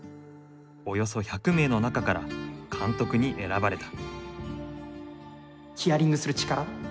およそ１００名の中から監督に選ばれた。